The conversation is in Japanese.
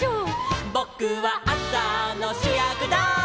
「ぼくはあさのしゅやくだい」